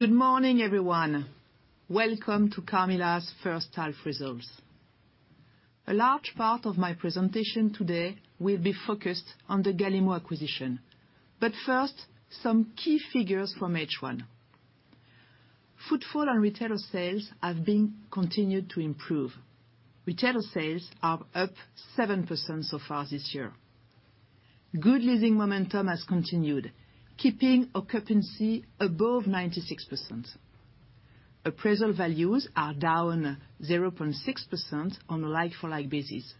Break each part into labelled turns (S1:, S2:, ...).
S1: Good morning, everyone. Welcome to Carmila's first half results. A large part of my presentation today will be focused on the Galimmo acquisition, but first, some key figures from H1. Footfall and Retailer sales have been continued to improve. Retailer sales are up 7% so far this year. Good leasing momentum has continued, keeping occupancy above 96%. Appraisal values are down 0.6% on a like-for-like basis.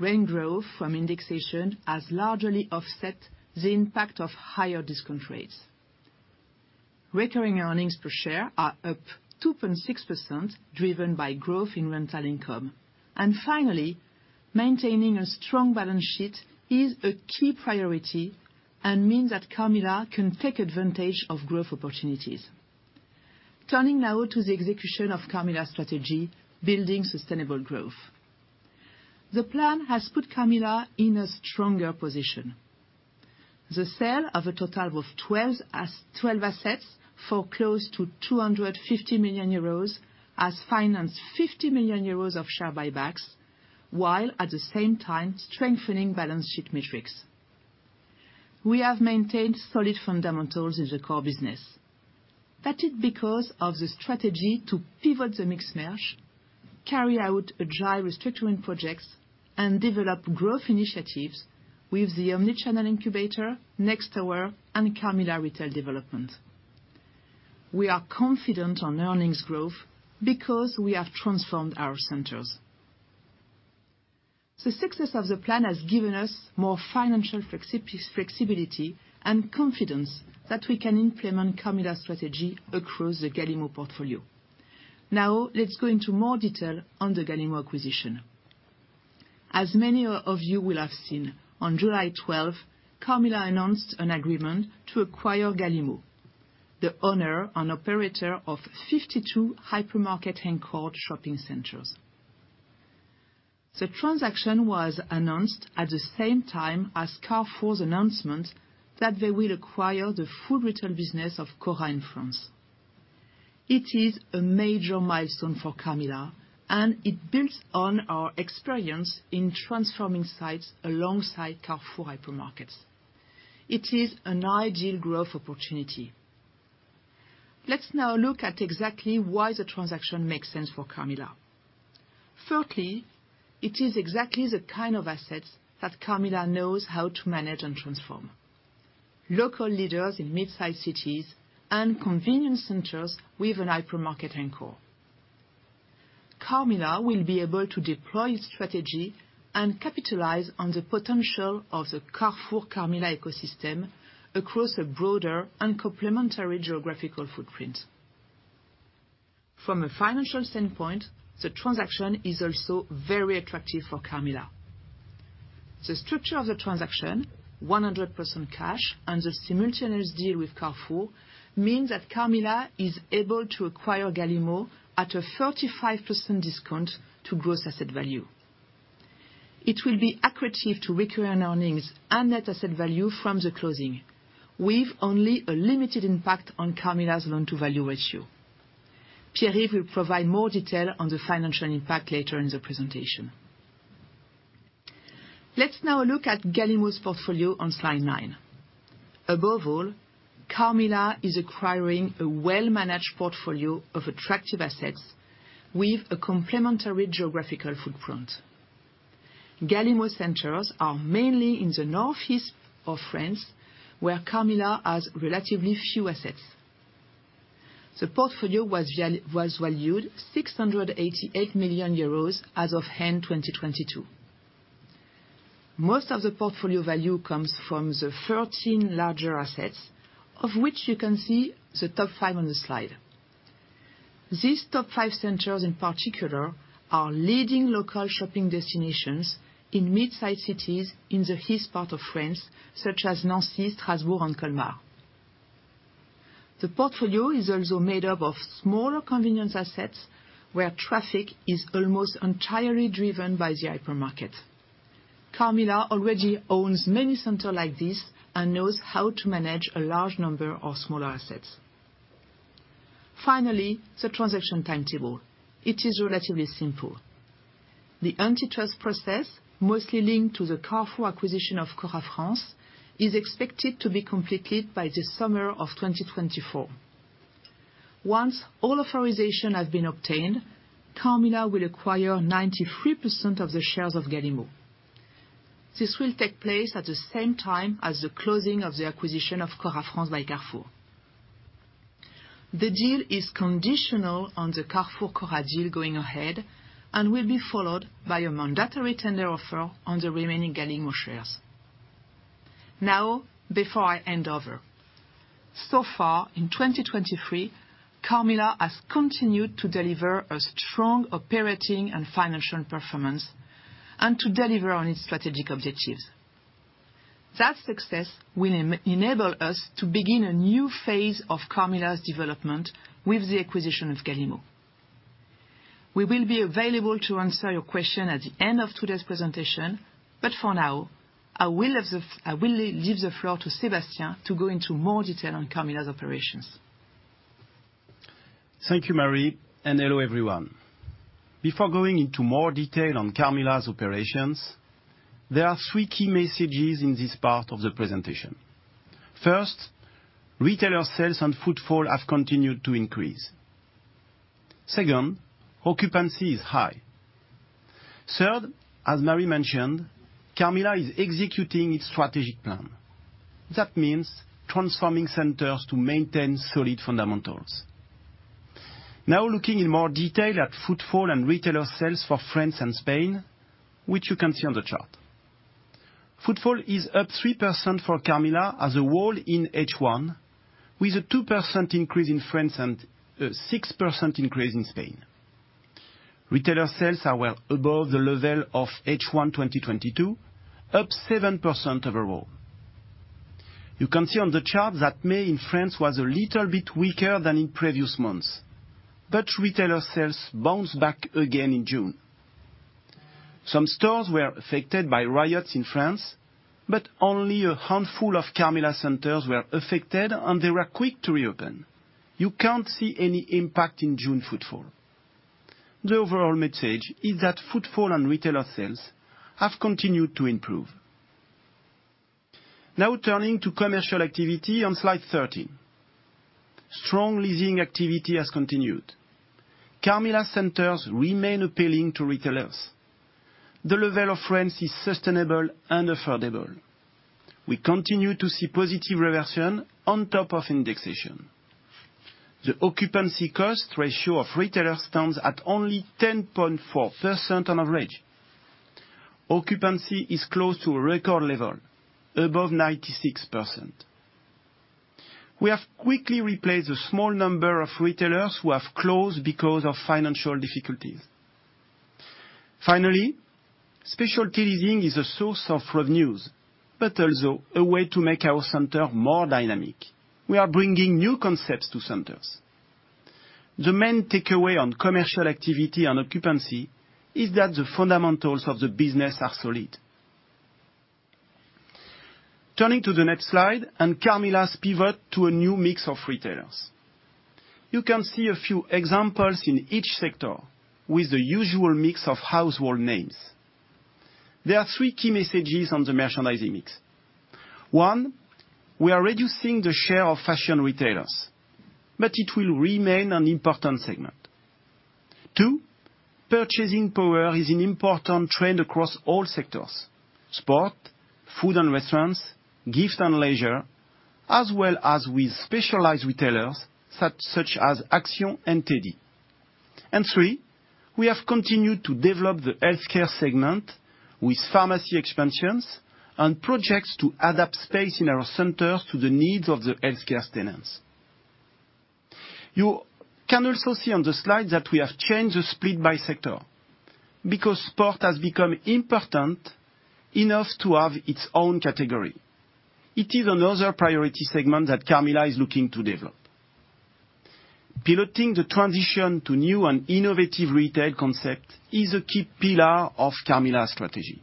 S1: Rent growth from indexation has largely offset the impact of higher discount rates. Recurring earnings per share are up 2.6%, driven by growth in rental income. Finally, maintaining a strong balance sheet is a key priority, and means that Carmila can take advantage of growth opportunities. Turning now to the execution of Carmila's strategy, building sustainable growth. The plan has put Carmila in a stronger position. The sale of a total of twelve assets for close to 250 million euros has financed 50 million euros of share buybacks, while at the same time strengthening balance sheet metrics. We have maintained solid fundamentals in the core business. That is because of the strategy to pivot the merchandise mix, carry out agile restructuring projects, and develop growth initiatives with the omni-channel incubator, Next Tower, and Carmila Retail Development. We are confident on earnings growth because we have transformed our centers. The success of the plan has given us more financial flexibility and confidence that we can implement Carmila's strategy across the Galimmo portfolio. Let's go into more detail on the Galimmo acquisition. As many of you will have seen, on July 12th, Carmila announced an agreement to acquire Galimmo, the owner and operator of 52 hypermarket anchor shopping centers. The transaction was announced at the same time as Carrefour's announcement that they will acquire the Food Retail business of Cora in France. It is a major milestone for Carmila, and it builds on our experience in transforming sites alongside Carrefour hypermarkets. It is an ideal growth opportunity. Let's now look at exactly why the transaction makes sense for Carmila. Thirdly, it is exactly the kind of assets that Carmila knows how to manage and transform. Local leaders in mid-sized cities and convenience centers with an hypermarket anchor. Carmila will be able to deploy its strategy and capitalize on the potential of the Carrefour, Carmila ecosystem across a broader and complementary geographical footprint. From a financial standpoint, the transaction is also very attractive for Carmila. The structure of the transaction, 100% cash, and the simultaneous deal with Carrefour, means that Carmila is able to acquire Galimmo at a 35% discount to gross asset value. It will be accretive to recurring earnings and net asset value from the closing, with only a limited impact on Carmila's loan-to-value ratio. Pierre will provide more detail on the financial impact later in the presentation. Let's now look at Galimmo's portfolio on slide 9. Above all, Carmila is acquiring a well-managed portfolio of attractive assets with a complementary geographical footprint. Galimmo centers are mainly in the northeast of France, where Carmila has relatively few assets. The portfolio was valued 688 million euros as of end 2022. Most of the portfolio value comes from the 13 larger assets, of which you can see the top 5 on the slide. These top five centers, in particular, are leading local shopping destinations in mid-sized cities in the east part of France, such as Nancy, Strasbourg, and Colmar. The portfolio is also made up of smaller convenience assets, where traffic is almost entirely driven by the hypermarket. Carmila already owns many center like this and knows how to manage a large number of smaller assets. Finally, the transaction timetable. It is relatively simple. The antitrust process, mostly linked to the Carrefour acquisition of Cora France, is expected to be completed by the summer of 2024. Once all authorization has been obtained, Carmila will acquire 93% of the shares of Galimmo. This will take place at the same time as the closing of the acquisition of Cora France by Carrefour. The deal is conditional on the Carrefour, Cora deal going ahead and will be followed by a mandatory tender offer on the remaining Galimmo shares. Before I hand over, so far in 2023, Carmila has continued to deliver a strong operating and financial performance and to deliver on its strategic objectives. That success will enable us to begin a new phase of Carmila's development with the acquisition of Galimmo. We will be available to answer your question at the end of today's presentation, but for now, I will leave the floor to Sébastien to go into more detail on Carmila's operations.
S2: Thank you, Marie. Hello, everyone. Before going into more detail on Carmila's operations, there are three key messages in this part of the presentation. First, Retailer sales and footfall have continued to increase. Second, occupancy is high. Third, as Marie mentioned, Carmila is executing its strategic plan. That means transforming centers to maintain solid fundamentals. Looking in more detail at footfall and Retailer sales for France and Spain, which you can see on the chart. Footfall is up 3% for Carmila as a whole in H1, with a 2% increase in France and 6% increase in Spain. Retailer sales are well above the level of H1 2022, up 7% overall. You can see on the chart that May in France was a little bit weaker than in previous months, but Retailer sales bounced back again in June. Some stores were affected by riots in France, only a handful of Carmila centers were affected, and they were quick to reopen. You can't see any impact in June footfall. The overall message is that footfall and Retailer sales have continued to improve. Turning to commercial activity on slide 13. Strong leasing activity has continued. Carmila centers remain appealing to retailers. The level of rents is sustainable and affordable. We continue to see positive reversion on top of indexation. The occupancy cost ratio of retailers stands at only 10.4% on average. Occupancy is close to a record level, above 96%. We have quickly replaced a small number of retailers who have closed because of financial difficulties. Specialty leasing is a source of revenues, but also a way to make our center more dynamic. We are bringing new concepts to centers. The main takeaway on commercial activity and occupancy is that the fundamentals of the business are solid. Turning to the next slide, Carmila's pivot to a new mix of retailers. You can see a few examples in each sector with the usual mix of household names. There are three key messages on the merchandise mix. One, we are reducing the share of fashion retailers, but it will remain an important segment. Two, purchasing power is an important trend across all sectors: sport, food and restaurants, gifts and leisure, as well as with specialized retailers, such as Action and Tedi. Three, we have continued to develop the Healthcare segment with pharmacy expansions and projects to adapt space in our centers to the needs of the healthcare tenants. You can also see on the slide that we have changed the split by sector, because sport has become important enough to have its own category. It is another priority segment that Carmila is looking to develop. Piloting the transition to new and innovative retail concept is a key pillar of Carmila's strategy.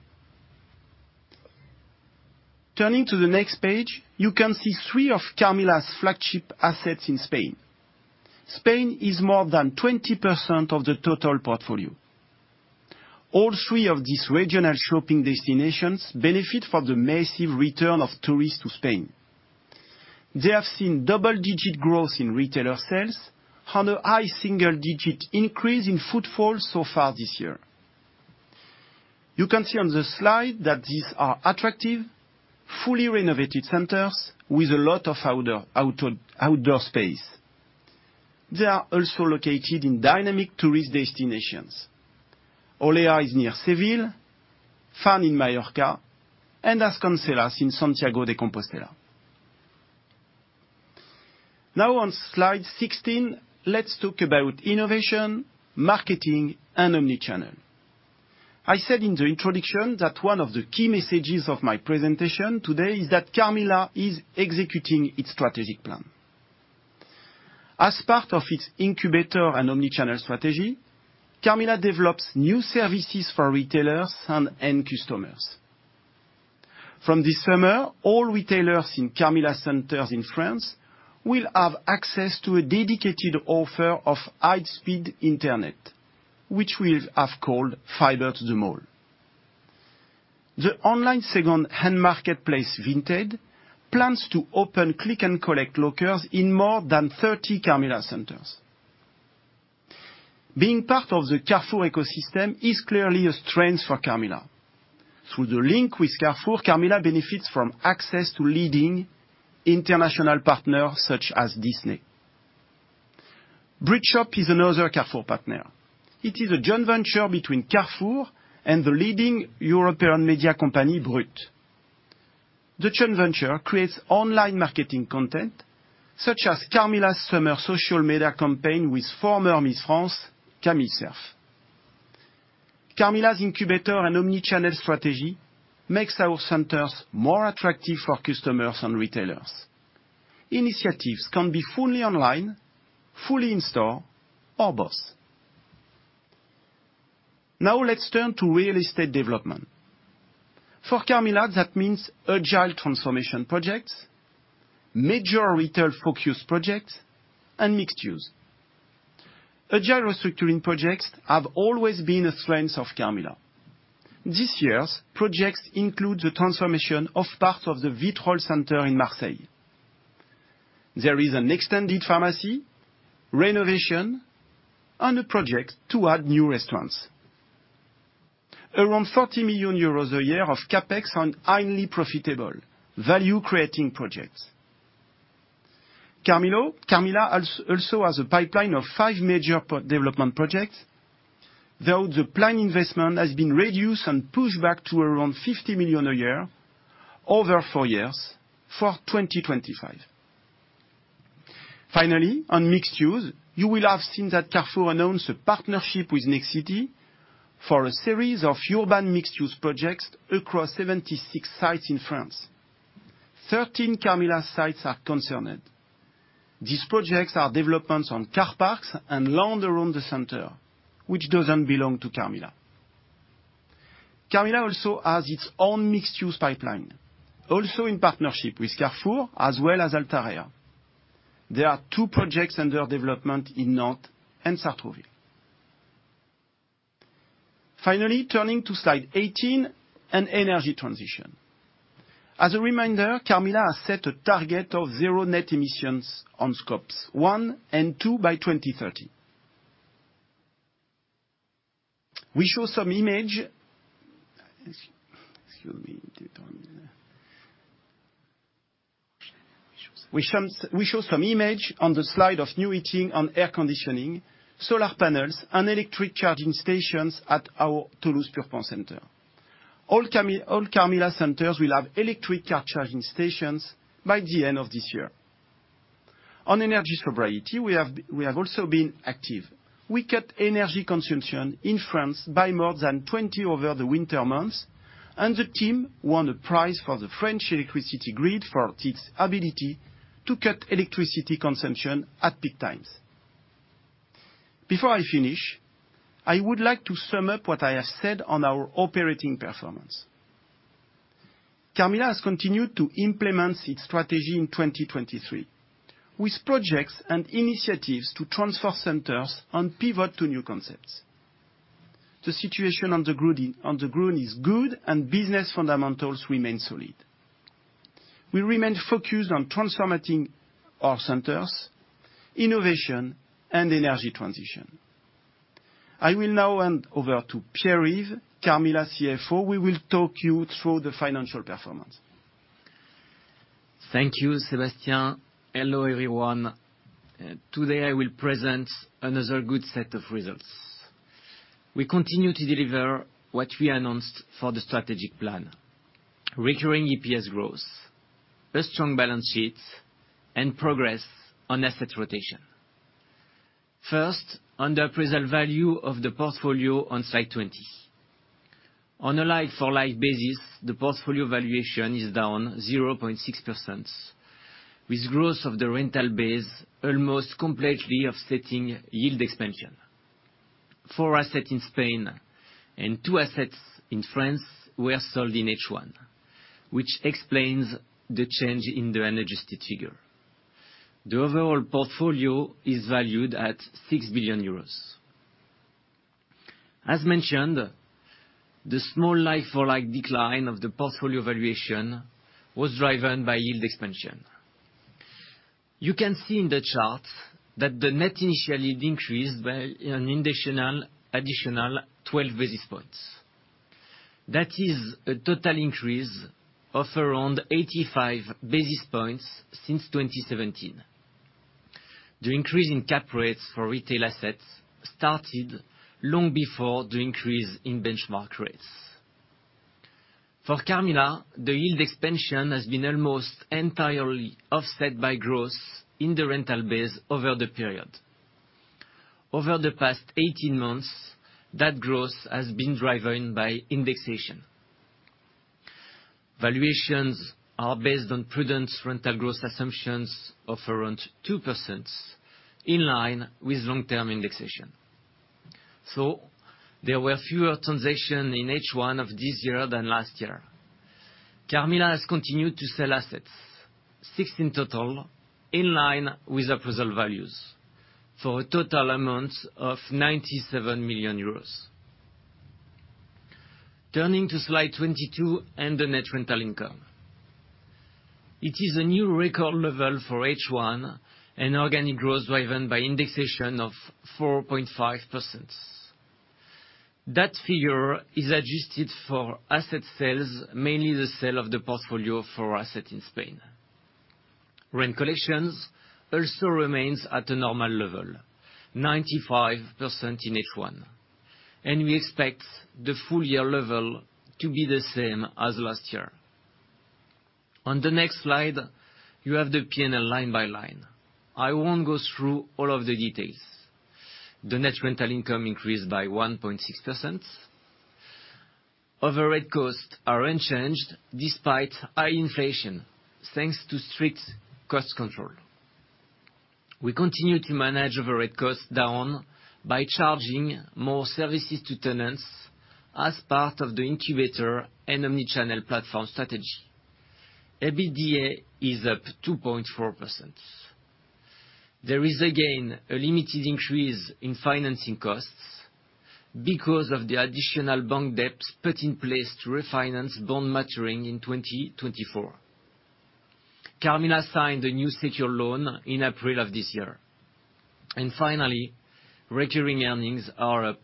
S2: Turning to the next page, you can see three of Carmila's flagship assets in Spain. Spain is more than 20% of the total portfolio. All three of these regional shopping destinations benefit from the massive return of tourists to Spain. They have seen double-digit growth in Retailer sales and a high single-digit increase in footfall so far this year. You can see on the slide that these are attractive, fully renovated centers with a lot of outer, outdoor space. They are also located in dynamic tourist destinations. Holea is near Seville, FAN Mallorca Shopping, and As Cancelas in Santiago de Compostela. On slide 16, let's talk about innovation, marketing, and omnichannel. I said in the introduction that one of the key messages of my presentation today is that Carmila is executing its strategic plan. As part of its incubator and omnichannel strategy, Carmila develops new services for retailers and end customers. From this summer, all retailers in Carmila centers in France will have access to a dedicated offer of high-speed internet, which we have called Fiber to the Mall. The online second-hand marketplace, Vinted, plans to open click-and-collect lockers in more than 30 Carmila centers. Being part of the Carrefour ecosystem is clearly a strength for Carmila. Through the link with Carrefour, Carmila benefits from access to leading international partners such as Disney. Brut Shop is another Carrefour partner. It is a joint venture between Carrefour and the leading European media company, Brut. The joint venture creates online marketing content, such as Carmila's summer social media campaign with former Miss France, Camille Cerf. Carmila's incubator and omni-channel strategy makes our centers more attractive for customers and retailers. Initiatives can be fully online, fully in-store, or both. Let's turn to real estate development. For Carmila, that means agile transformation projects, major retail-focused projects, and mixed use. Agile restructuring projects have always been a strength of Carmila. This year's projects include the transformation of parts of the Vitrolles Center in Marseille. There is an extended pharmacy, renovation, and a project to add new restaurants. Around 40 million euros a year of CapEx on highly profitable, value-creating projects. Carmila also has a pipeline of 5 major development projects, though the planned investment has been reduced and pushed back to around 50 million a year, over 4 years, for 2025. On mixed use, you will have seen that Carrefour announced a partnership with Nexity for a series of urban mixed-use projects across 76 sites in France. 13 Carmila sites are concerned. These projects are developments on car parks and land around the center, which doesn't belong to Carmila. Carmila also has its own mixed-use pipeline, also in partnership with Carrefour as well as Altarea. There are 2 projects under development in Nantes and Sartrouville. Turning to slide 18, on energy transition. As a reminder, Carmila has set a target of zero net emissions on Scopes 1 and 2 by 2030. Excuse me. We show some image on the slide of new heating and air conditioning, solar panels, and electric charging stations at our Toulouse Purpan Center. All Carmila centers will have electric car charging stations by the end of this year. On energy sobriety, we have also been active. We cut energy consumption in France by more than 20% over the winter months, and the team won a prize for the French electricity grid for its ability to cut electricity consumption at peak times. Before I finish, I would like to sum up what I have said on our operating performance. Carmila has continued to implement its strategy in 2023, with projects and initiatives to transfer centers and pivot to new concepts. The situation on the ground is good, and business fundamentals remain solid. We remain focused on transforming our centers, innovation, and energy transition. I will now hand over to Pierre-Yves, Carmila CFO, who will talk you through the financial performance.
S3: Thank you, Sébastien. Hello, everyone. Today I will present another good set of results. We continue to deliver what we announced for the strategic plan: recurring EPS growth, a strong balance sheet, and progress on asset rotation. First, on the appraisal value of the portfolio on slide 20. On a like-for-like basis, the portfolio valuation is down 0.6%, with growth of the rental base almost completely offsetting yield expansion. Four assets in Spain and two assets in France were sold in H1, which explains the change in the adjusted figure. The overall portfolio is valued at 6 billion euros. As mentioned, the small like-for-like decline of the portfolio valuation was driven by yield expansion. You can see in the chart that the net initial yield increased by an additional 12 basis points. That is a total increase of around 85 basis points since 2017. The increase in cap rates for retail assets started long before the increase in benchmark rates. For Carmila, the yield expansion has been almost entirely offset by growth in the rental base over the period. Over the past 18 months, that growth has been driven by indexation. Valuations are based on prudent rental growth assumptions of around 2%, in line with long-term indexation. There were fewer transactions in H1 of this year than last year. Carmila has continued to sell assets, 16 in total, in line with appraisal values, for a total amount of 97 million euros. Turning to slide 22 and the net rental income. It is a new record level for H1, an organic growth driven by indexation of 4.5%. That figure is adjusted for asset sales, mainly the sale of the portfolio for our asset in Spain. Rent collections also remains at a normal level, 95% in H1, and we expect the full year level to be the same as last year. On the next slide, you have the P&L line by line. I won't go through all of the details. The net rental income increased by 1.6%. Overhead costs are unchanged despite high inflation, thanks to strict cost control. We continue to manage overhead costs down by charging more services to tenants as part of the incubator and omni-channel platform strategy. EBITDA is up 2.4%. There is, again, a limited increase in financing costs because of the additional bank debts put in place to refinance bond maturing in 2024. Carmila signed a new secured loan in April of this year. Finally, recurring earnings are up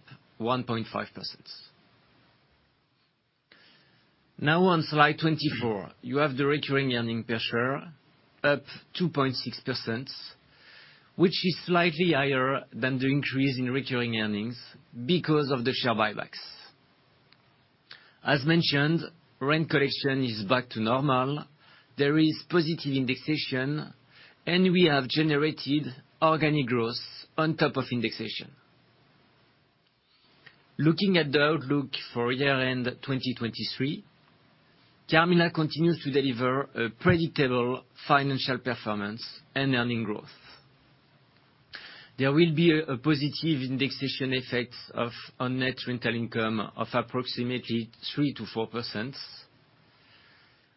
S3: 1.5%. On slide 24, you have the recurring earnings per share up 2.6%, which is slightly higher than the increase in recurring earnings because of the share buybacks. As mentioned, rent collection is back to normal. There is positive indexation. We have generated organic growth on top of indexation. Looking at the outlook for year-end 2023, Carmila continues to deliver a predictable financial performance and earnings growth. There will be a positive indexation effect on net rental income of approximately 3%-4%.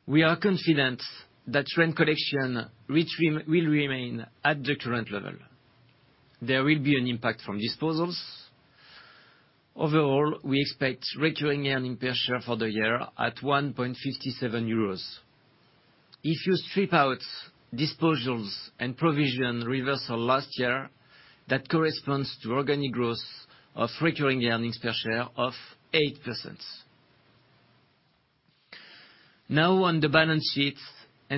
S3: We are confident that rent collection will remain at the current level. There will be an impact from disposals. Overall, we expect recurring earnings per share for the year at 1.57 euros. If you strip out disposals and provision reversal last year, that corresponds to organic growth of recurring earnings per share of 8%. On the balance sheets,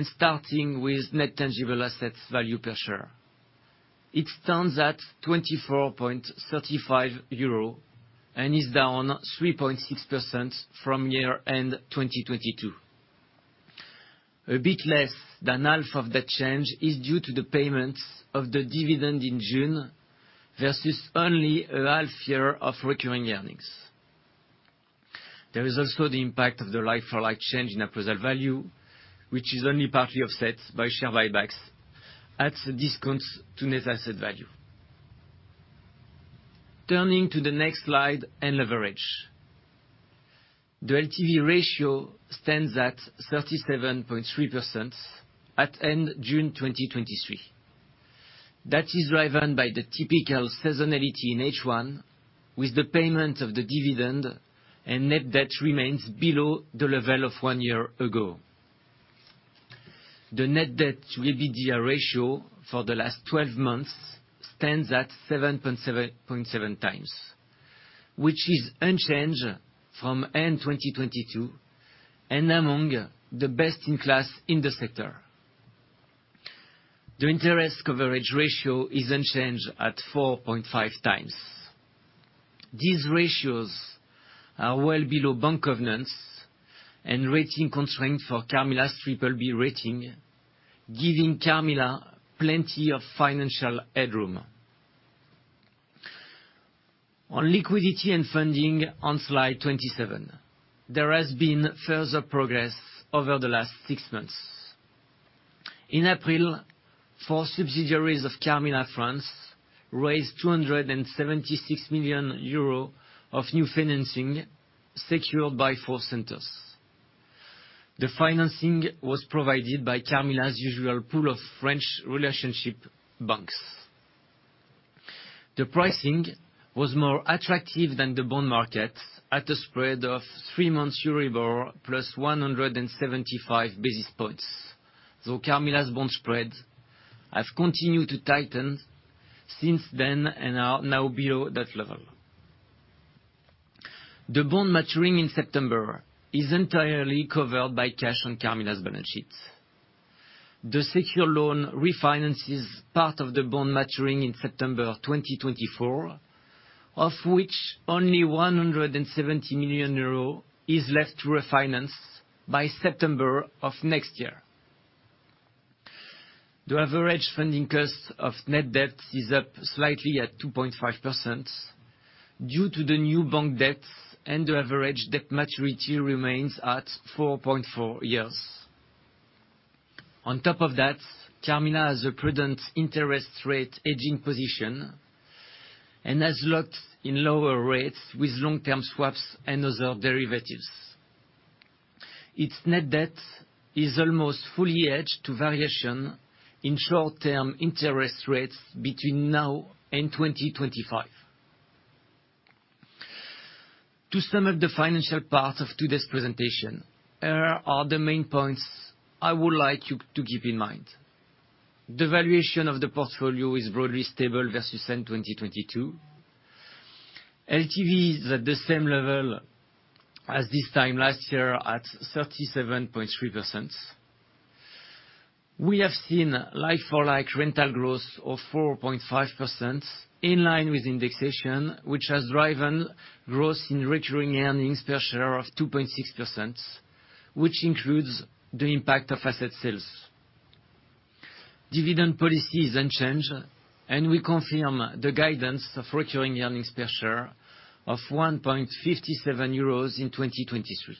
S3: starting with net tangible assets value per share. It stands at 24.35 euro and is down 3.6% from year-end 2022. A bit less than half of that change is due to the payments of the dividend in June, versus only a half year of recurring earnings. There is also the impact of the like-for-like change in appraisal value, which is only partly offset by share buybacks, at a discount to net asset value. Turning to the next slide, leverage. The LTV ratio stands at 37.3% at end June 2023. That is driven by the typical seasonality in H1, with the payment of the dividend, net debt remains below the level of one year ago. The net debt to EBITDA ratio for the last 12 months stands at 7.7 times, which is unchanged from end 2022, and among the best-in-class in the sector. The interest coverage ratio is unchanged at 4.5 times. These ratios are well below bank covenants and rating constraints for Carmila's BBB rating, giving Carmila plenty of financial headroom. On liquidity and funding, on slide 27, there has been further progress over the last 6 months. In April, 4 subsidiaries of Carmila France raised 276 million euros of new financing, secured by 4 centers. The financing was provided by Carmila's usual pool of French relationship banks. The pricing was more attractive than the bond market, at a spread of 3 months Euribor plus 175 basis points, though Carmila's bond spreads have continued to tighten since then and are now below that level. The bond maturing in September is entirely covered by cash on Carmila's balance sheets. The secured loan refinances part of the bond maturing in September of 2024, of which only 170 million euro is left to refinance by September of next year. The average funding cost of net debt is up slightly at 2.5% due to the new bank debts, and the average debt maturity remains at 4.4 years. On top of that, Carmila has a prudent interest rate hedging position, and has locked in lower rates with long-term swaps and other derivatives. Its net debt is almost fully hedged to variation in short-term interest rates between now and 2025. To sum up the financial part of today's presentation, here are the main points I would like you to keep in mind. The valuation of the portfolio is broadly stable versus end 2022. LTV is at the same level as this time last year, at 37.3%. We have seen like-for-like rental growth of 4.5%, in line with indexation, which has driven growth in recurring earnings per share of 2.6%, which includes the impact of asset sales. Dividend policy is unchanged. We confirm the guidance of recurring earnings per share of 1.57 euros in 2023.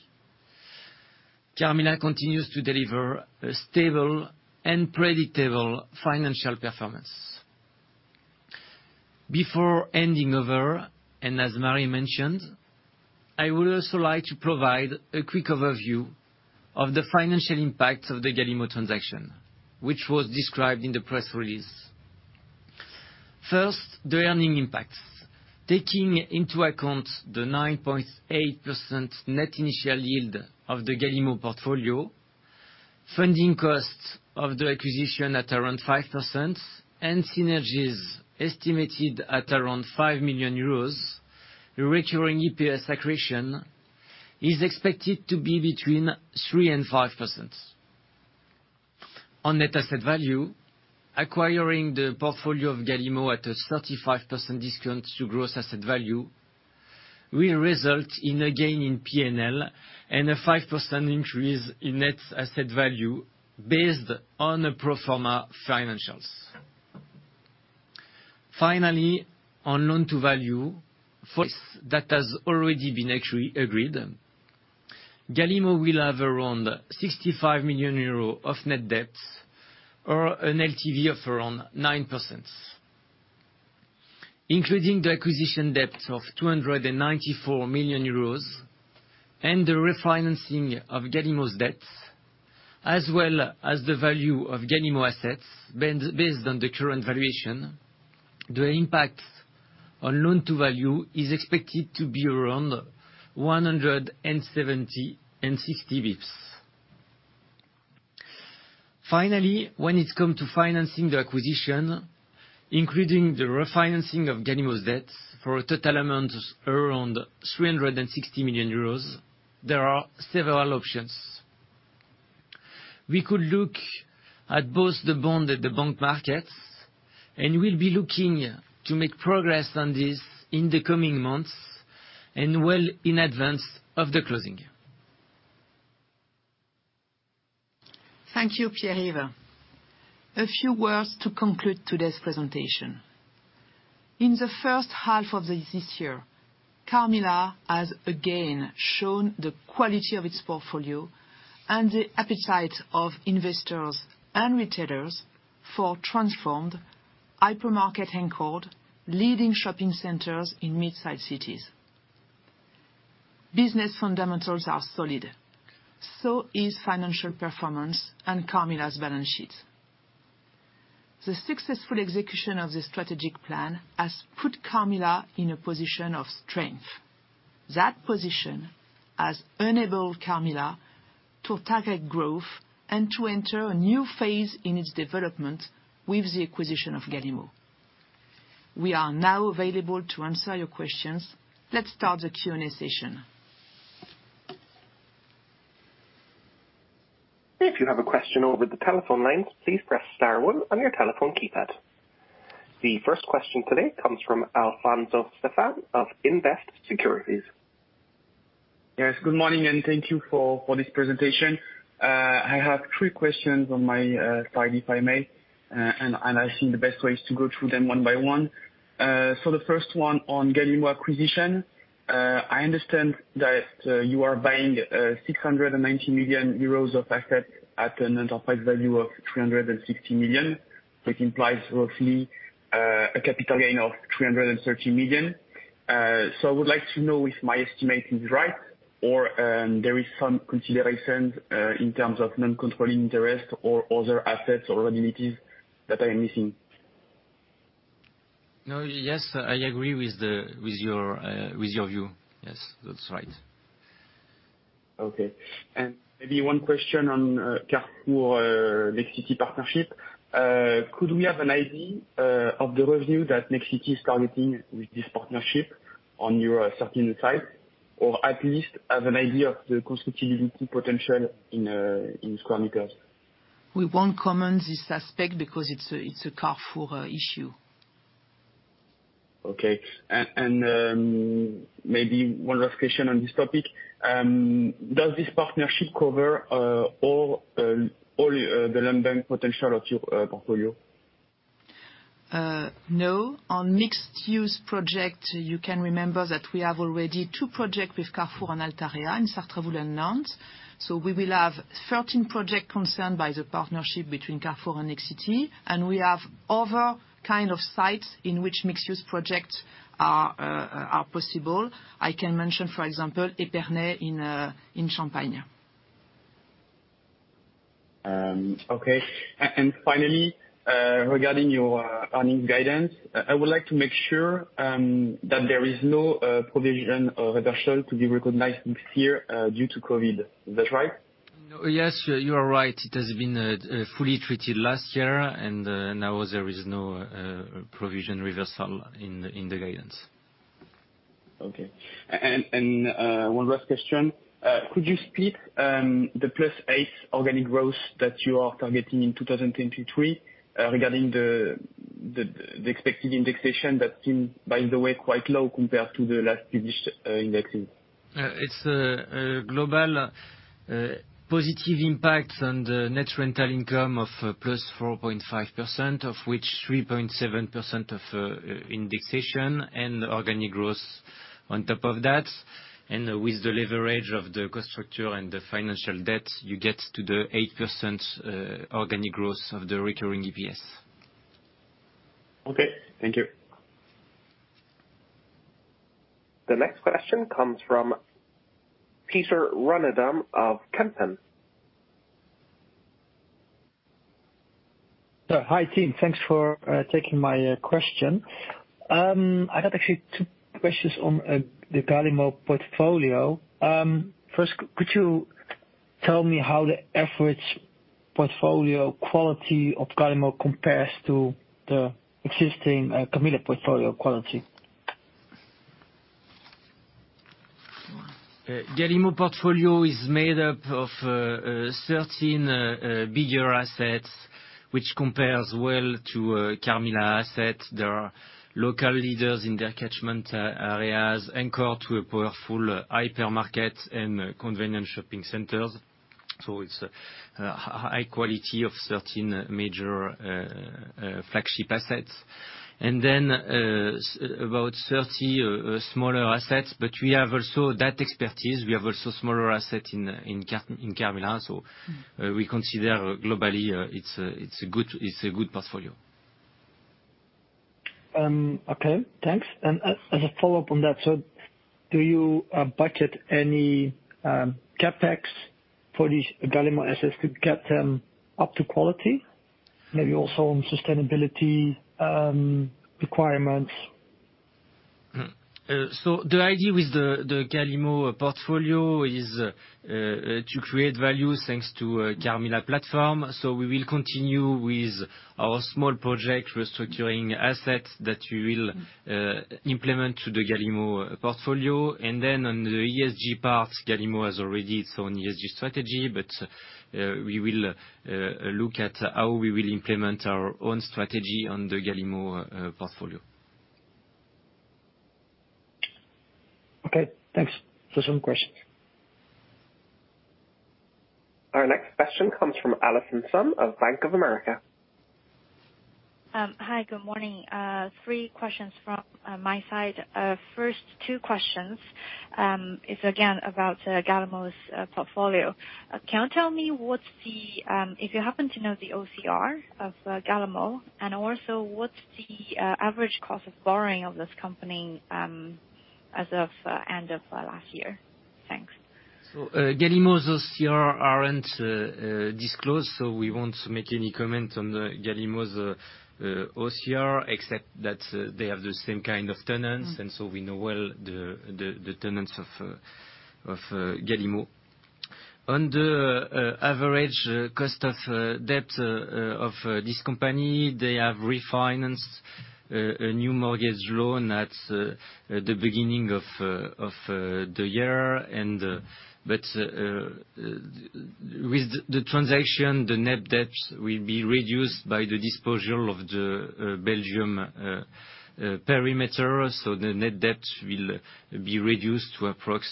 S3: Carmila continues to deliver a stable and predictable financial performance. As Marie mentioned, I would also like to provide a quick overview of the financial impact of the Galimmo transaction, which was described in the press release. The earnings impacts. Taking into account the 9.8% net initial yield of the Galimmo portfolio, funding costs of the acquisition at around 5%, and synergies estimated at around 5 million euros, the recurring EPS accretion is expected to be between 3% and 5%. On net asset value, acquiring the portfolio of Galimmo at a 35% discount to gross asset value will result in a gain in P&L and a 5% increase in net asset value based on the pro forma financials. On loan-to-value, for us, that has already been actually agreed. Galimmo will have around 65 million euros of net debt or an LTV of around 9%. Including the acquisition debt of 294 million euros and the refinancing of Galimmo's debts, as well as the value of Galimmo assets, based on the current valuation, the impact on loan-to-value is expected to be around 170 and 60 bps. When it come to financing the acquisition, including the refinancing of Galimmo's debts for a total amount of around 360 million euros, there are several options. We could look at both the bond and the bank markets, and we'll be looking to make progress on this in the coming months and well in advance of the closing.
S1: Thank you, Pierre-Yves. A few words to conclude today's presentation. In the first half of this year, Carmila has again shown the quality of its portfolio and the appetite of investors and retailers for transformed hypermarket-anchored, leading shopping centers in mid-sized cities. Business fundamentals are solid, so is financial performance and Carmila's balance sheet. The successful execution of the strategic plan has put Carmila in a position of strength. That position has enabled Carmila to target growth and to enter a new phase in its development with the acquisition of Galimmo. We are now available to answer your questions. Let's start the Q&A session.
S4: If you have a question over the telephone line, please press star one on your telephone keypad. The first question today comes from Stéphane Afonso of Invest Securities.
S5: Good morning, and thank you for this presentation. I have 3 questions on my side, if I may, and I think the best way is to go through them one by one. The first one on Galimmo acquisition, I understand that you are buying 690 million euros of assets at an enterprise value of 360 million, which implies roughly a capital gain of 330 million. I would like to know if my estimate is right or there is some considerations in terms of non-controlling interest or other assets or liabilities that I am missing.
S2: No. Yes, I agree with the, with your, with your view. Yes, that's right.
S5: Okay. Maybe one question on Carrefour Nexity partnership. Could we have an idea of the revenue that Nexity is targeting with this partnership on your certain site? At least have an idea of the constitution potential in square meters.
S1: We won't comment this aspect because it's a Carrefour issue.
S5: Okay. Maybe one last question on this topic. Does this partnership cover all the land bank potential of your portfolio?
S1: No. On mixed-use project, you can remember that we have already two project with Carrefour and Altarea in Sartrouville and Lens. We will have 13 project concerned by the partnership between Carrefour and Nexity, and we have other kind of sites in which mixed-use projects are possible. I can mention, for example, Epernay in Champagne.
S5: Okay. Finally, regarding your earnings guidance, I would like to make sure that there is no provision or reversal to be recognized this year, due to COVID. Is that right?
S3: Yes, you are right. It has been fully treated last year, and now there is no provision reversal in the guidance.
S5: Okay. One last question. Could you split the +8% organic growth that you are targeting in 2023 regarding the expected indexation that seem, by the way, quite low compared to the last published indexing?
S3: It's a global, positive impact on the net rental income of +4.5%, of which 3.7% of indexation and organic growth on top of that. With the leverage of the cost structure and the financial debt, you get to the 8% organic growth of the recurring EPS.
S5: Okay, thank you.
S4: The next question comes from Pieter Runneboom of Kempen.
S6: Hi, team. Thanks for taking my question. I had actually two questions on the Galimmo portfolio. First, could you tell me how the average portfolio quality of Galimmo compares to the existing Carmila portfolio quality?
S3: Galimmo portfolio is made up of 13 bigger assets, which compares well to Carmila assets. There are local leaders in their catchment areas, anchored to a powerful hypermarket and convenient shopping centers. It's a high quality of 13 major flagship assets, and then about 30 smaller assets. We have also that expertise. We have also smaller asset in Carmila, we consider globally it's a good portfolio.
S6: Okay, thanks. As a follow-up on that, so do you budget any CapEx for these Galimmo assets to get them up to quality? Maybe also on sustainability requirements.
S3: The idea with the Galimmo portfolio is to create value thanks to Carmila platform. We will continue with our small project restructuring assets that we will implement to the Galimmo portfolio. On the ESG part, Galimmo has already its own ESG strategy, but we will look at how we will implement our own strategy on the Galimmo portfolio.
S6: Okay, thanks. That's all questions.
S4: Our next question comes from Allison Sun of Bank of America.
S7: Hi, good morning. Three questions from my side. First two questions is again, about Galimmo's portfolio. Can you tell me what's the, if you happen to know the OCR of Galimmo, and also, what's the average cost of borrowing of this company, as of end of last year? Thanks.
S3: Galimmo's OCR aren't disclosed, so we won't make any comment on the Galimmo's OCR, except that they have the same kind of tenants.
S7: Mm-hmm.
S3: We know well the tenants of Galimmo. On the average cost of debt of this company, they have refinanced a new mortgage loan at the beginning of the year. But with the transaction, the net debt will be reduced by the disposal of the Belgium perimeter. The net debt will be reduced to approx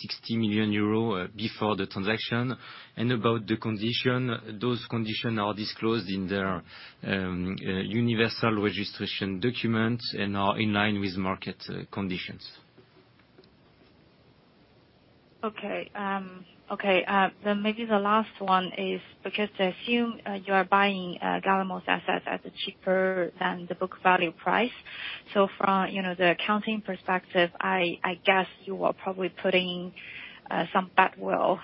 S3: 60 million euros before the transaction. About the condition, those condition are disclosed in their universal registration document and are in line with market conditions.
S7: Okay. Okay, maybe the last one is because I assume you are buying Galimmo's assets at a cheaper than the book value price. From, you know, the accounting perspective, I guess you are probably putting some badwill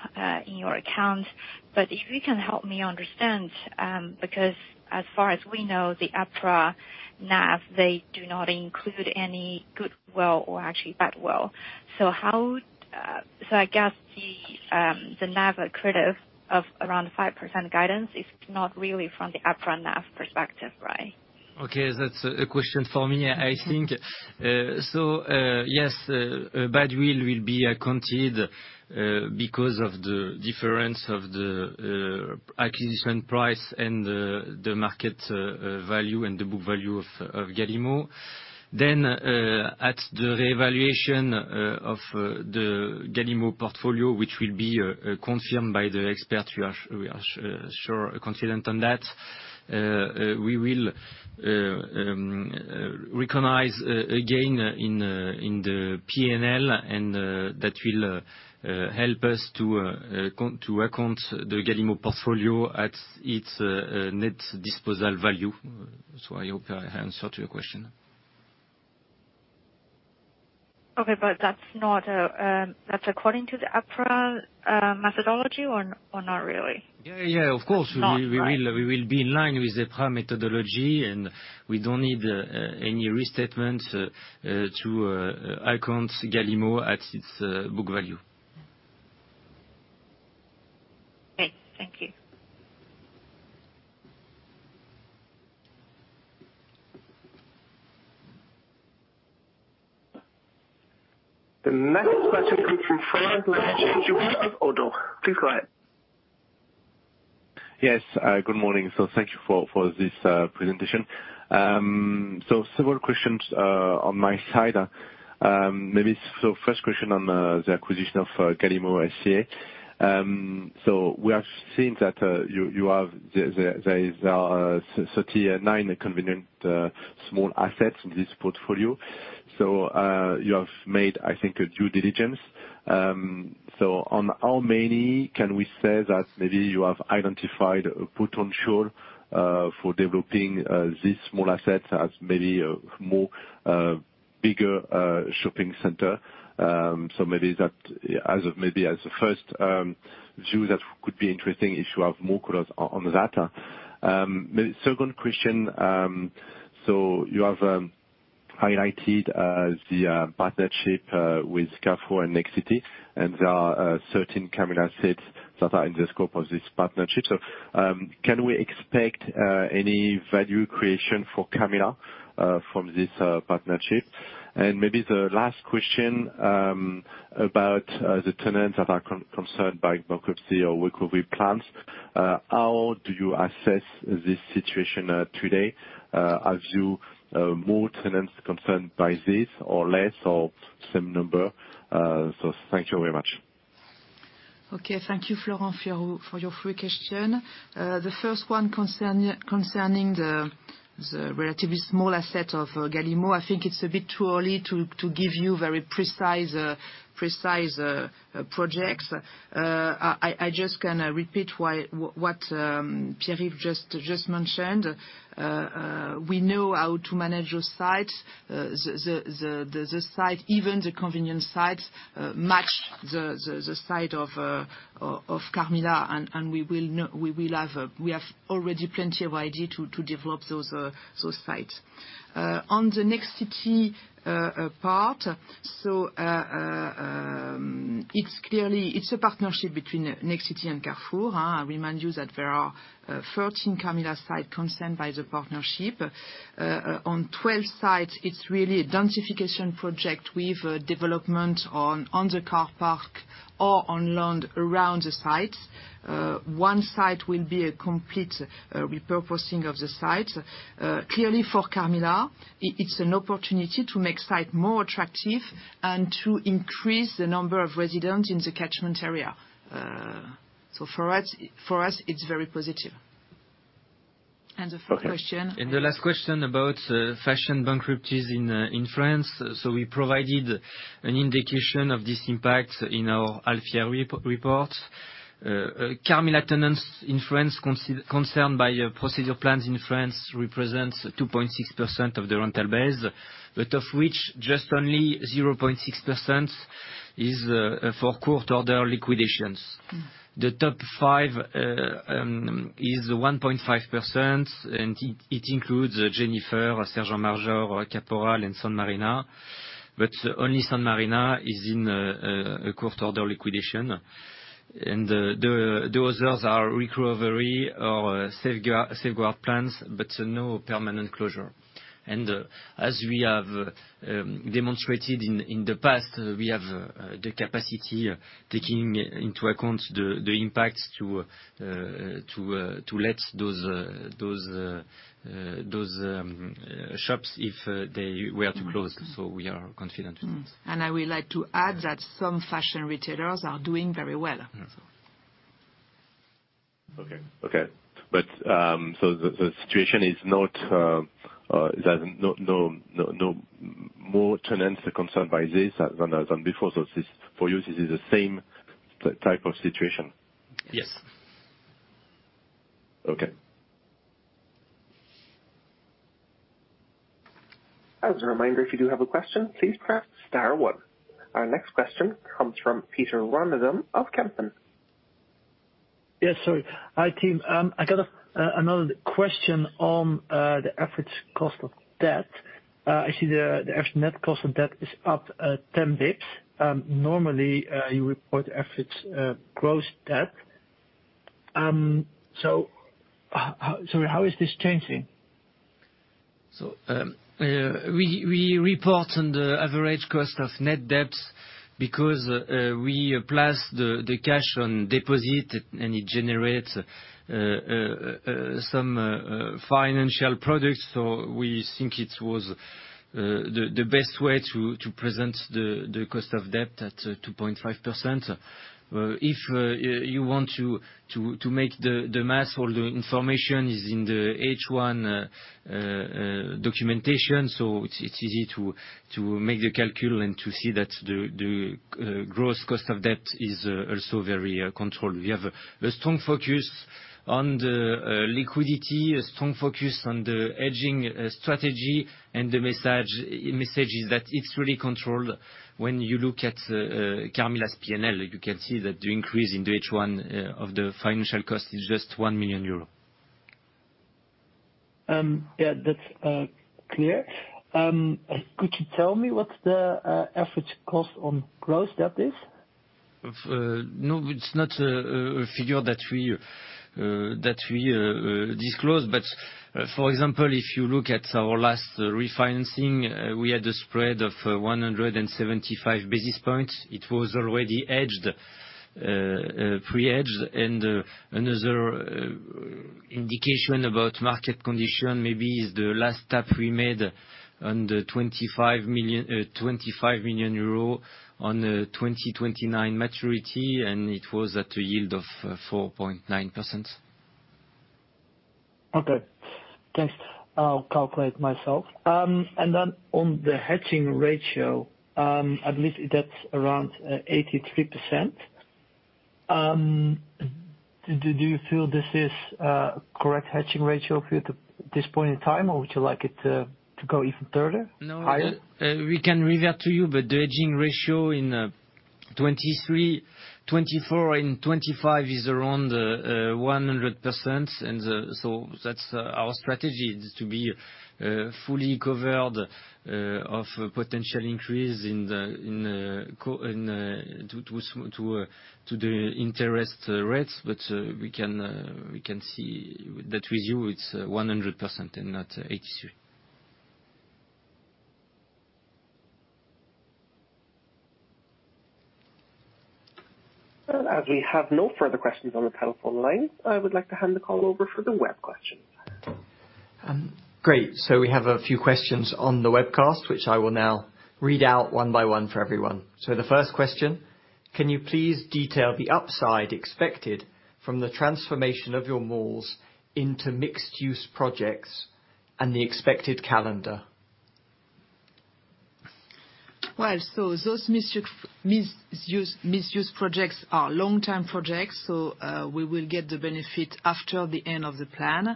S7: in your account. If you can help me understand, because as far as we know, the EPRA NAV, they do not include any goodwill or actually badwill. I guess the NAV accretive of around 5% guidance is not really from the EPRA NAV perspective, right?
S3: That's a question for me, I think. Yes, badwill will be accounted because of the difference of the acquisition price and the market value, and the book value of Galimmo. At the revaluation of the Galimmo portfolio, which will be confirmed by the expert, we are sure confident on that. We will recognize again, in the P&L, and that will help us to account the Galimmo portfolio at its Net Disposal Value. I hope I answered your question?
S7: That's according to the EPRA methodology or not really?
S3: Yeah, yeah, of course.
S7: Not right.
S3: We will be in line with the EPRA methodology. We don't need any restatement to account Galimmo at its book value.
S7: Okay.
S4: The next question comes from Florent Laroche-Joubert of Oddo. Please go ahead.
S8: Yes, good morning. Thank you for this presentation. Several questions on my side. Maybe first question on the acquisition of Galimmo SCA. We have seen that you have the there is 39 convenient small assets in this portfolio. You have made, I think, a due diligence. On how many can we say that maybe you have identified a potential for developing these small assets as maybe a more bigger shopping center? Maybe that as a first view, that could be interesting if you have more colors on that. Maybe second question. You have highlighted the partnership with Carrefour and Nexity, and there are certain Carmila assets that are in the scope of this partnership. Can we expect any value creation for Carmila from this partnership? Maybe the last question about the tenants that are concerned by bankruptcy or recovery plans. How do you assess this situation today? Have you more tenants concerned by this, or less, or same number? Thank you very much.
S1: Thank you, Florent Laroche-Joubert, for your 3 question. The first one concerning the relatively small asset of Galimmo, I think it's a bit too early to give you very precise projects. I just gonna repeat what Pierre just mentioned. We know how to manage those sites. The site, even the convenience sites, match the site of Carmila, and we will have already plenty of idea to develop those sites. On the Nexity part, it's clearly, it's a partnership between Nexity and Carrefour, I remind you that there are 13 Carmila site concerned by the partnership. On 12 sites, it's really a densification project with development on the car park or on land around the sites. One site will be a complete repurposing of the site. Clearly, for Carmila, it's an opportunity to make site more attractive and to increase the number of residents in the catchment area. For us, it's very positive. The third question?
S3: The last question about fashion bankruptcies in France. We provided an indication of this impact in our half year report. Carmila tenants in France concerned by procedure plans in France represents 2.6% of the rental base, but of which just only 0.6% is for court-ordered liquidations. The top five is 1.5%, and it includes Jennyfer, Sergent Major, Kaporal, and San Marina, but only San Marina is in a court-ordered liquidation. The others are recovery or safeguard plans, but no permanent closure. As we have demonstrated in the past, we have the capacity, taking into account the impact to let those shops, if they were to close. We are confident with this.
S1: I would like to add that some fashion retailers are doing very well.
S8: Okay, okay. The situation is not ... there's no more tenants are concerned by this than before. This, for you, this is the same type of situation?
S3: Yes.
S8: Okay.
S4: As a reminder, if you do have a question, please press star one. Our next question comes from Pieter Runneboom of Kempen.
S6: Yes, sorry. Hi, team. I got another question on the average cost of debt. I see the average net cost of debt is up, 10 basis points. Normally, you report average gross debt. So how, sorry, how is this changing?
S3: We report on the average cost of net debt because we place the cash on deposit, and it generates some financial products. We think it was the best way to present the cost of debt at 2.5%. If you want to make the math, all the information is in the H1 documentation, so it's easy to make the calculation and to see that the gross cost of debt is also very controlled. We have a strong focus on the liquidity, a strong focus on the hedging strategy. The message is that it's really controlled. When you look at Carmila's P&L, you can see that the increase in the H1 of the financial cost is just 1 million euro.
S6: Yeah, that's clear. Could you tell me what the average cost on gross debt is?
S3: Of no, it's not a figure that we disclose, but for example, if you look at our last refinancing, we had a spread of 175 basis points. It was already edged, pre-edged. Another indication about market condition, maybe is the last step we made on the 25 million on 2029 maturity, and it was at a yield of 4.9%.
S6: Okay, thanks. I'll calculate myself. On the hedging ratio, I believe that's around 83%. Do you feel this is a correct hedging ratio for you at this point in time, or would you like it to go even further, higher?
S3: No, we can read that to you, but the hedging ratio in 2023, 2024 and 2025 is around 100%. Our strategy is to be fully covered of potential increase in the interest rates. We can see that with you, it's 100% and not 83.
S1: Well, as we have no further questions on the telephone line, I would like to hand the call over for the web questions.
S9: Great. We have a few questions on the webcast, which I will now read out one by one for everyone. The first question, can you please detail the upside expected from the transformation of your malls into mixed-use projects and the expected calendar?
S1: Those mixed use projects are long-term projects, we will get the benefit after the end of the plan.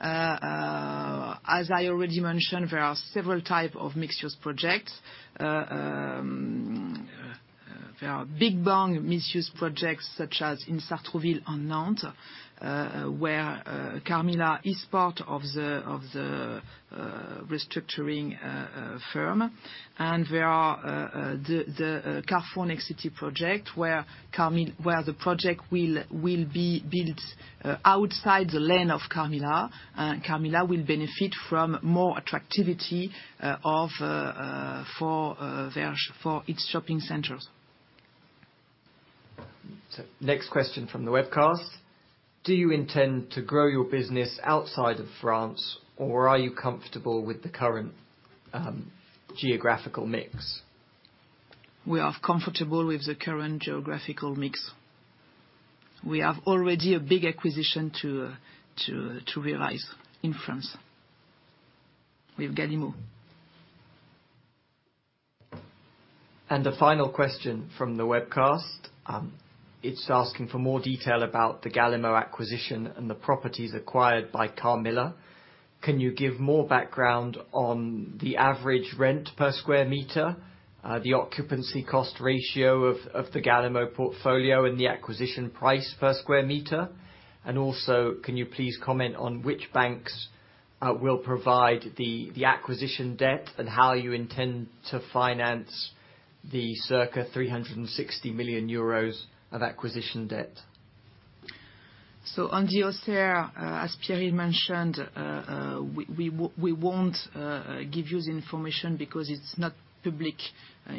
S1: As I already mentioned, there are several type of mixed-use projects. There are big bang mixed-use projects such as in Sartrouville and Nantes, where Carmila is part of the restructuring firm. There are the Carrefour Nexity project, where the project will be built outside the lane of Carmila, and Carmila will benefit from more attractivity of for its shopping centers.
S9: Next question from the webcast: Do you intend to grow your business outside of France, or are you comfortable with the current geographical mix?
S1: We are comfortable with the current geographical mix. We have already a big acquisition to realize in France with Galimmo.
S9: The final question from the webcast, it's asking for more detail about the Galimmo acquisition and the properties acquired by Carmila. Can you give more background on the average rent per square meter, the occupancy cost ratio of the Galimmo portfolio, and the acquisition price per square meter? Also, can you please comment on which banks will provide the acquisition debt, and how you intend to finance the circa 360 million euros of acquisition debt?
S1: On the Auvergne, as Pierre mentioned, we won't give you the information because it's not public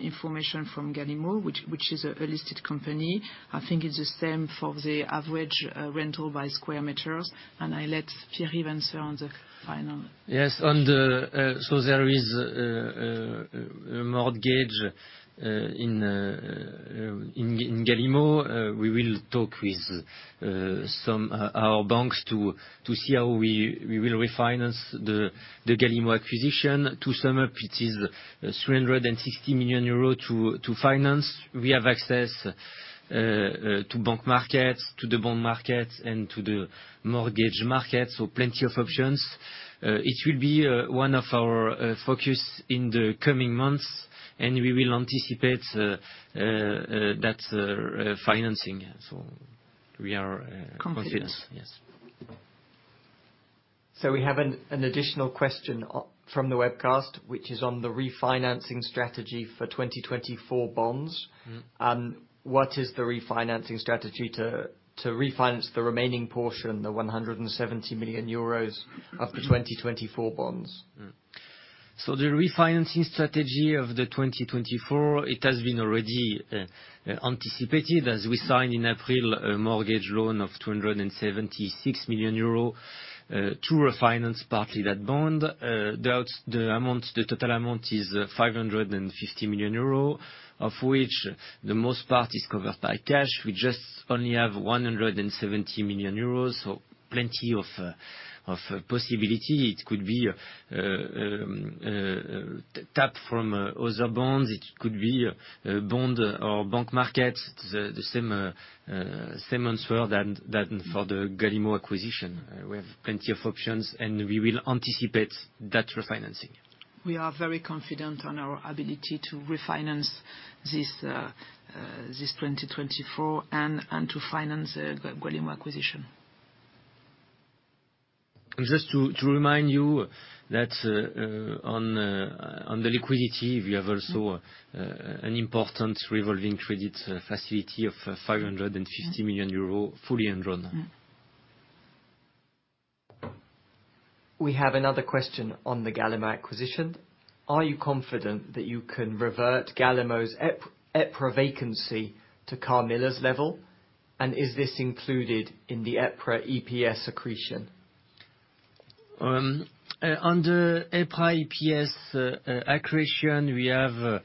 S1: information from Galimmo, which is a listed company. I think it's the same for the average rental by square meters, and I let Pierre answer on the final.
S3: Yes, on the, so there is a mortgage in Galimmo. We will talk with some our banks to see how we will refinance the Galimmo acquisition. To sum up, it is 360 million euro to finance. We have access to bank markets, to the bond market, and to the mortgage market, so plenty of options. It will be one of our focus in the coming months, and we will anticipate that financing. We are confident. Yes.
S9: We have an additional question from the webcast, which is on the refinancing strategy for 2024 bonds. What is the refinancing strategy to refinance the remaining portion, the 170 million euros of the 2024 bonds?
S3: The refinancing strategy of 2024, it has been already anticipated as we signed in April, a mortgage loan of 276 million euros to refinance partly that bond. The total amount is 550 million euro, of which the most part is covered by cash. We just only have 170 million euros, so plenty of possibility. It could be tap from other bonds. It could be bond or bank market. The same answer than for the Galimmo acquisition. We have plenty of options, and we will anticipate that refinancing.
S1: We are very confident on our ability to refinance this 2024 and to finance the Galimmo acquisition.
S3: Just to remind you that on the liquidity, we have also an important revolving credit facility of 550 million euro, fully undrawn.
S9: We have another question on the Galimmo acquisition. Are you confident that you can revert Galimmo's EPRA vacancy to Carmila's level? Is this included in the EPRA EPS accretion?
S3: Under EPRA EPS accretion, we have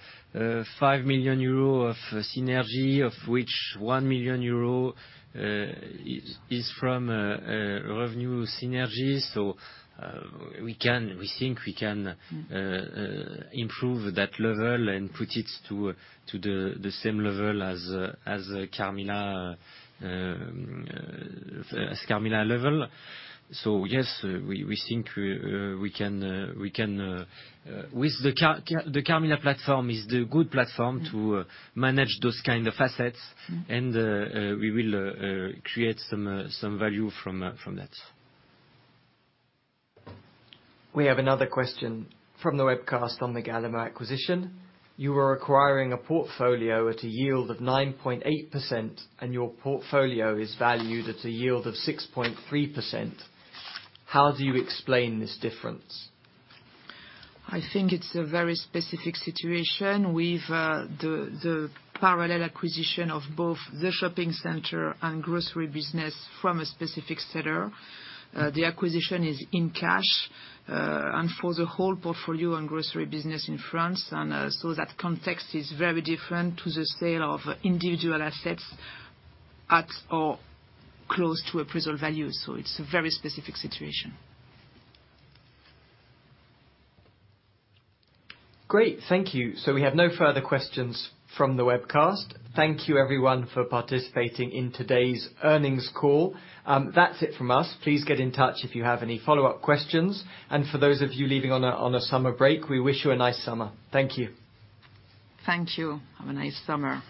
S3: 5 million euro of synergy, of which 1 million euro is from revenue synergy. We think we can improve that level and put it to the same level as Carmila, as Carmila level. Yes, we think we can with the Carmila platform is the good platform to manage those kind of assets. We will create some value from that.
S9: We have another question from the webcast on the Galimmo acquisition. You are acquiring a portfolio at a yield of 9.8%, and your portfolio is valued at a yield of 6.3%. How do you explain this difference?
S1: I think it's a very specific situation with, the parallel acquisition of both the Shopping Center and Grocery business from a specific seller. The acquisition is in cash, and for the whole portfolio and Grocery business in France. That context is very different to the sale of individual assets at or close to appraisal value, so it's a very specific situation.
S9: Great, thank you. We have no further questions from the webcast. Thank you, everyone, for participating in today's earnings call. That's it from us. Please get in touch if you have any follow-up questions. For those of you leaving on a summer break, we wish you a nice summer. Thank you.
S1: Thank you. Have a nice summer.